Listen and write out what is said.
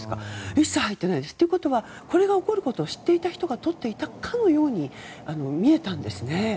一切入ってないということはこれが起こることを知っていた人が撮っていたかのように見えたんですね。